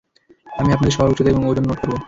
আমি আপনাদের সবার উচ্চতা এবং ওজন নোট করবো।